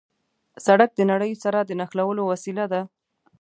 سړک د نړۍ سره د نښلولو وسیله ده.